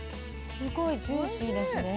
すごいジューシーですね。